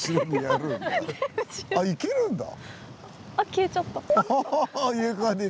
消えちゃった。